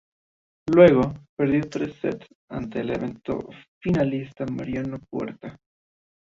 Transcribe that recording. Luego perdió en tres sets ante el eventual finalista, Mariano Puerta.